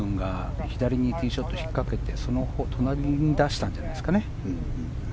イム君が左にティーショット引っかけてその隣に出したんじゃないですかね。